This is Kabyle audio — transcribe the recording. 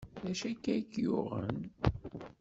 D acu akka i k-yuɣen?